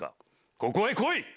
ここへ来い。